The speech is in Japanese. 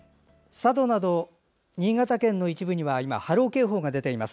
佐渡など新潟県の一部には今、波浪警報が出ています。